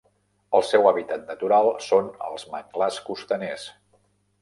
El seu hàbitat natural són els manglars costaners.